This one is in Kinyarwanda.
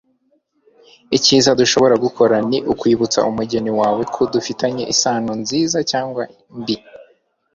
icyiza dushobora gukora ni ukwibutsa mugenzi wawe ko dufitanye isano nziza cyangwa mbi